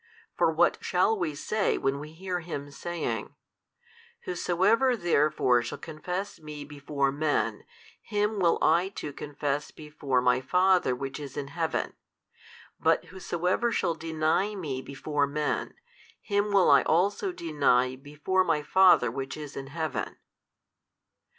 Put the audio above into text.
For what shall we say when we hear Him saying, Whosoever therefore shall confess Me before men, him will I too confess before My Father which is in Heaven: but whosoever shall deny Me before men, him will I also deny before My Father which is in Heaven?